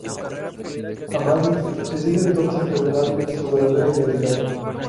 Amadís decide entonces revelarle su verdadera identidad.